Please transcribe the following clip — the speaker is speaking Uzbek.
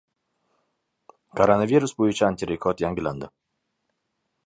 Koronavirus bo‘yicha antirekord yangilandi